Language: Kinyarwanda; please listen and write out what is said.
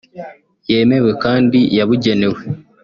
yemewe kandi yabugenewe